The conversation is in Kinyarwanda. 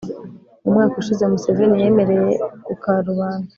mu mwaka ushize museveni yemereye ku karubanda